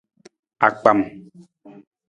Akpam.